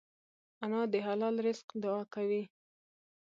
انا د حلال رزق دعا کوي